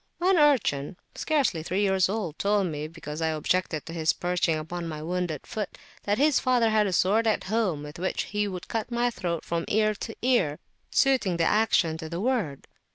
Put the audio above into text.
One urchin, scarcely three years old, told me, because I objected to his perching upon my wounded foot, that his father had a sword at home with which he would cut my throat from ear to ear, suiting the action to the word.